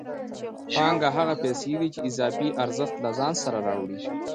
پانګه هغه پیسې دي چې اضافي ارزښت له ځان سره راوړي